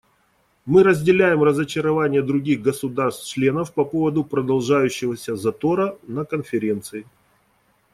Мы разделяем разочарование других государств-членов по поводу продолжающегося затора на Конференции.